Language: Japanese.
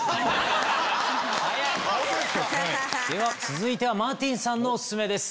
続いてはマーティンさんのお薦めです。